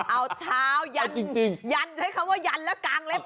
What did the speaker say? เอาทาวยันใช้คำว่ายันแล้วกางเล็บ